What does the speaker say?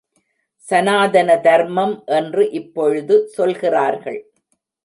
சநாதன தர்மம் என்று இப்பொழுது சொல்கிறார்கள்.